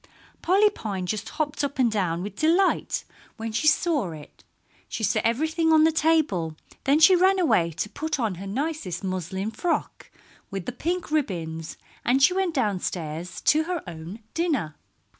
Polly Pine just hopped up and down with delight when she saw it. She set everything on the table; then she ran away to put on her nicest muslin frock with the pink ribbons, and she went downstairs to her own dinner.